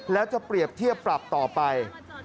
แล้วจะเปรียบเทียบปรับต่อไป